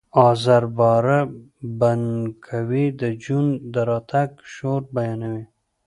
آزر باره بنکوی د جون د راتګ شور بیانوي